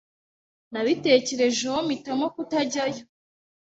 Nabitekerejeho mpitamo kutajyayo.